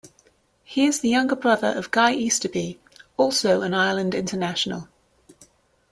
He is the younger brother of Guy Easterby, also an Ireland international.